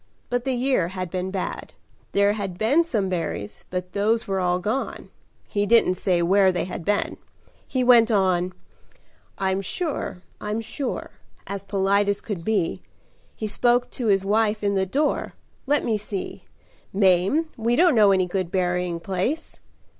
But the year had been bad. There had been some berries but those were all gone. He didn't say where they had been. He went on: 'I'm sure I'm sure' as polite as could be. He spoke to his wife in the door, 'Let me see, Mame, we don't know any good berrying place?'